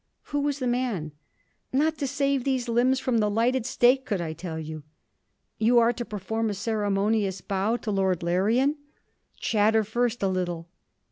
'Who was the man?' 'Not to save these limbs from the lighted stake could I tell you!' 'You are to perform a ceremonious bow to Lord Larrian.' 'Chatter first! a little!'